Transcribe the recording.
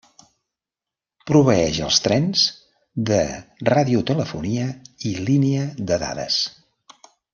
Proveeix als trens de radiotelefonia i línia de dades.